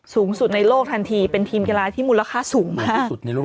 สูงสุดในโลกทันทีเป็นทีมกีฬาที่มูลค่าสูงมากสุดในโลก